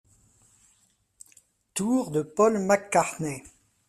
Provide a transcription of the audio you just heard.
Tour de Paul McCartney.